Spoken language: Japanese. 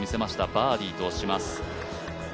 バーディーとします。